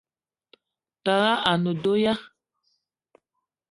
Tara a ne do ya?